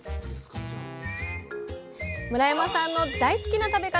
村山さんの大好きな食べ方